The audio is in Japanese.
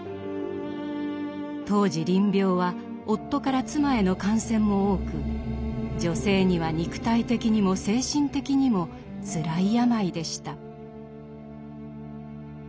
当時りん病は夫から妻への感染も多く女性には肉体的にも精神的にもつらい病でした。